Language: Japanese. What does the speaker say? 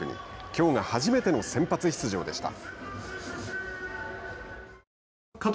きょうが初めての先発出場でした。